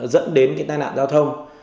dẫn đến cái tai nạn giao thông